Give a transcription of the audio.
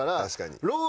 確かに。